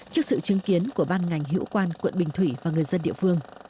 trước sự chứng kiến của ban ngành hiệu quan quận bình thủy và người dân địa phương